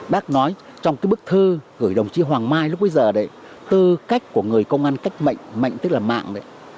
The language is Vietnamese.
bác nói trong bức thư gửi đồng chí hoàng mai lúc bây giờ tư cách của người công an cách mạng mạng tức là mạng